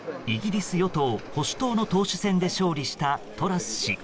イギリス与党・保守党の党首選で勝利したトラス氏。